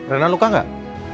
rena luka gak